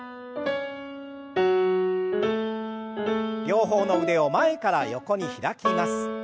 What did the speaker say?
両方の腕を前から横に開きます。